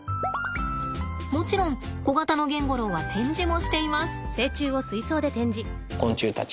もちろんコガタノゲンゴロウは展示もしています。